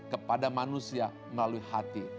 kepada manusia melalui hati